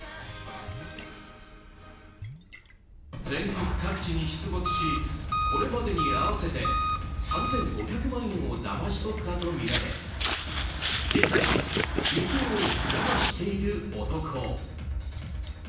全国各地に出没しこれまでに合わせて３５００万円をだまし取ったとみられ現在、行方をくらましている男。